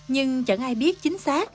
nhưng chẳng ai biết chính xác